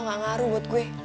gak ngaruh buat gue